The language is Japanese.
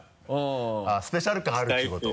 スペシャル感あるってこと？